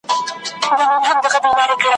چي ظالم واکمن ته وځلوي توره ,